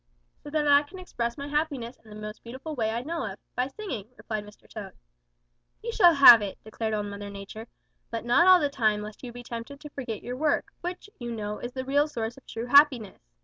"'So that I can express my happiness in the most beautiful way I know of, by singing,' replied Mr. Toad. "'You shall have it,' declared Old Mother Nature, 'but not all the time lest you be tempted to forget your work, which, you know, is the real source of true happiness.